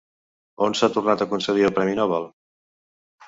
On s'ha tornat a concedir el premi Nobel?